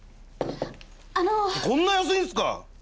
あのこんな安いんすか！？